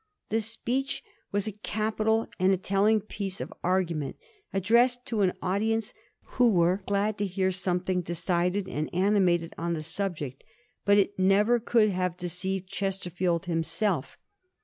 The speech was a capital and a telling piece of argument addressed to an audience who were glad to hear something decided and animated on the subject ; but it never could have deceived Ches terfield himself.